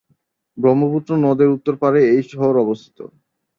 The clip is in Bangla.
ব্রহ্মপুত্র নদের উত্তর পারে এই শহর অবস্থিত।